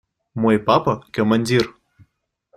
Мой папа – командир.